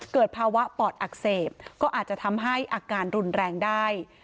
เกิดภาวะปอดอักเสบก็อาจจะทำให้อาการรุนแรงได้